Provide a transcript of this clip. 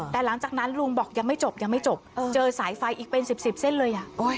แต่หลังจากนั้นลุงบอกยังไม่จบยังไม่จบเจอสายไฟอีกเป็น๑๐เส้นเลย